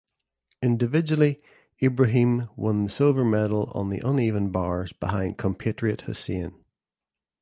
Individually Ibrahim won the silver medal on the uneven bars behind compatriot Hussein.